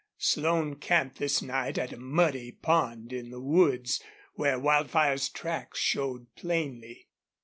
Slone camped this night at a muddy pond in the woods, where Wildfire's tracks showed plainly.